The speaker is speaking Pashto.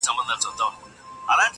له ښو څه ښه زېږي، له بدو څه واښه.